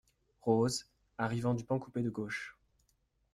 Rose , arrivant du pan coupé de gauche.